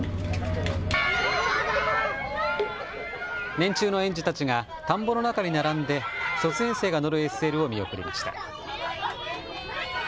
年中の園児たちが田んぼの中に並んで卒園生が乗るＳＬを見送りました。